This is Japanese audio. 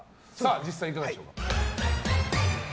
実際いかがでしょうか。